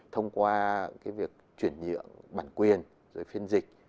thông qua việc chuyển nhượng bản quyền phiên dịch